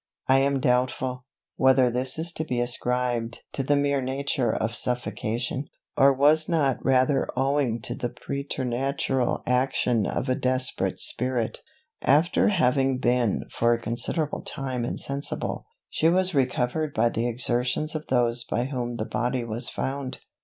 I am doubtful, whether this is to be ascribed to the mere nature of suffocation, or was not rather owing to the preternatural action of a desperate spirit. After having been for a considerable time insensible, she was recovered by the exertions of those by whom the body was found.